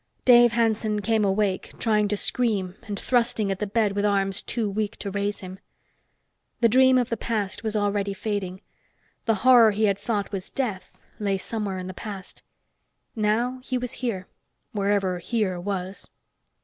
Dave Hanson came awake trying to scream and thrusting at the bed with arms too weak to raise him. The dream of the past was already fading. The horror he had thought was death lay somewhere in the past. Now he was here wherever here was.